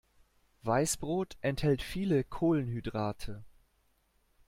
Weißbrot enthält viele Kohlenhydrate.